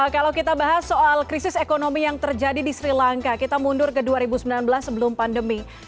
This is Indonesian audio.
kalau kita bahas soal krisis ekonomi yang terjadi di sri lanka kita mundur ke dua ribu sembilan belas sebelum pandemi